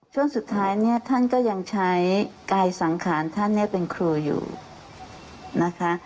ช่วงสุดท้ายเนี่ยท่านก็ยังใช้กายสังขารท่านเนี่ยเป็นครูอยู่นะคะ